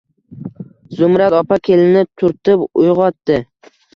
Zumrad opa kelinini turtib uyg`otdi